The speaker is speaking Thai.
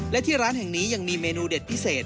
และที่ร้านแห่งนี้ยังมีเมนูเด็ดพิเศษ